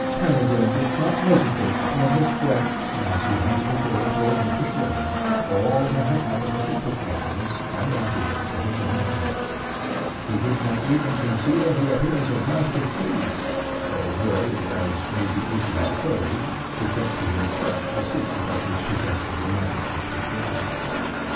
Peregrine did not hesitate to tell his friend, as he had before told Mr. Swammer, all that had happened at the bookbinder's, and afterwards at his own house. He did not even conceal the appearance of Master Flea, although, as may be easily supposed, he kept to himself the secret of his possessing the microscopic glass.